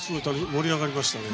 盛り上がりましたね。